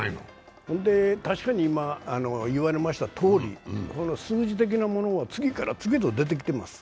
確かに今、言われましたとおり数字的なものは次から次と出てきてます。